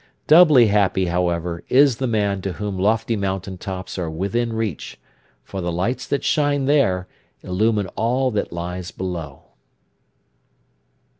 Doubly happy, however, is the man to whom lofty mountain tops are within reach, for the lights that shine there illumine all that lies below.